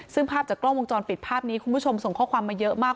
ซึ่งภาพจากกล้องวงจรปิดภาพนี้คุณผู้ชมส่งข้อความมาเยอะมาก